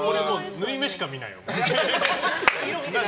縫い目しか見ない。